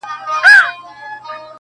زما دقام خلګ چي جوړ سي رقيبان ساتي,